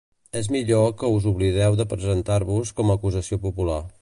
És millor que us oblideu de presentar-vos com a acusació popular.